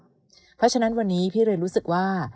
เพราะฉะนั้นวันนี้พี่เลยรู้สึกว่า